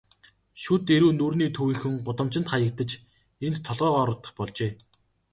Шүд эрүү нүүрний төвийнхөн гудамжинд хаягдаж, энд толгой хоргодох болжээ.